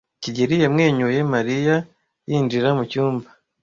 kigeli yamwenyuye Mariya yinjira mucyumba.